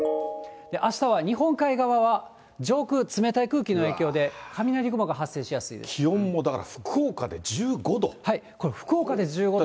あしたは日本海側は上空、冷たい空気の影響で、気温もだから、福岡で１５度。